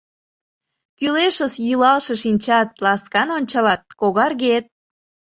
Кӱлешыс йӱлалше шинчат, Ласкан ончалат — когаргет.